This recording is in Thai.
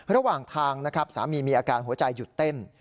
ระหว่างทางนะครับสามีมีอาการหัวใจหยุดเต้น